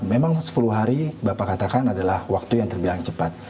memang sepuluh hari bapak katakan adalah waktu yang terbilang cepat